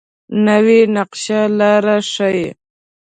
نوې نقشه لاره ښيي